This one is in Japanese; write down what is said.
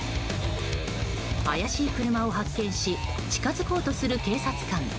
怪しい車を発見し近づこうとする警察官。